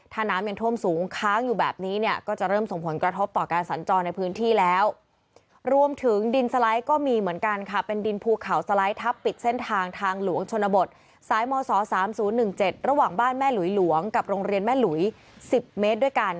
ถ้าน้ำดินถ่วมสูงค้างอยู่แบบนี้เนี่ย